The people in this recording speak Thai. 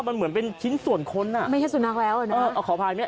มันเหมือนเป็นชิ้นส่วนค้นอ่ะไม่ใช่สุนัขแล้วอ่ะนะเออเอาขออภัยไหม